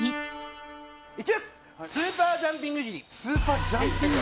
スーパージャンピング？